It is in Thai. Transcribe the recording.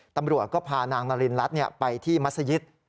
ตำรวจก็พานางนารินรัฐไปที่มัศยิต